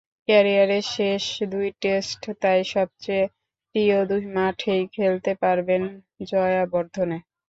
ক্যারিয়ারের শেষ দুই টেস্ট তাই সবচেয়ে প্রিয় দুই মাঠেই খেলতে পারবেন জয়াবর্ধনে।